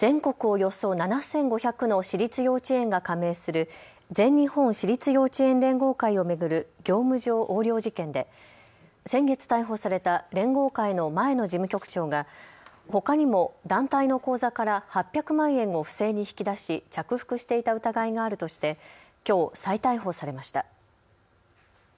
およそ７５００の私立幼稚園が加盟する全日本私立幼稚園連合会を巡る業務上横領事件で先月、逮捕された連合会の前の事務局長がほかにも団体の口座から８００万円を不正に引き出し着服していた疑いがあるとして、きょう再逮捕されました。